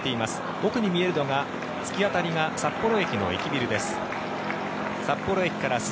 奥に見えるのが突き当たりが札幌駅の駅ビルです。